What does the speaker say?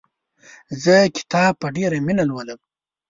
زه کتاب په ډېره مینه لولم.